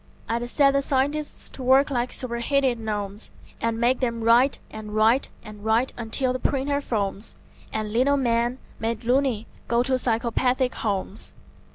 I'd set the scientists to work like superheated gnomes, And make them write and write and write until the printer foams And lino men, made "loony", go to psychopathic homes.